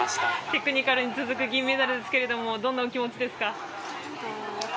テクニカルに続く銀メダルですがどんなお気持ちですか？